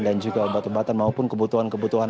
dan juga obat obatan maupun kebutuhan kebutuhan